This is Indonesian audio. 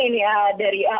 yaitu pendapatan tentunya